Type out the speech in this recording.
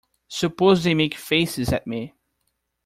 Suppose they make faces at me.